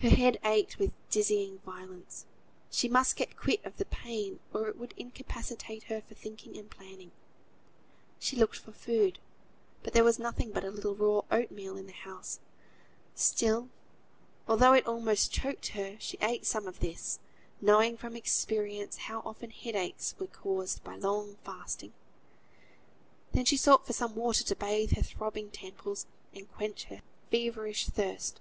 Her head ached with dizzying violence; she must get quit of the pain or it would incapacitate her for thinking and planning. She looked for food, but there was nothing but a little raw oatmeal in the house: still, although it almost choked her, she ate some of this, knowing from experience, how often headaches were caused by long fasting. Then she sought for some water to bathe her throbbing temples, and quench her feverish thirst.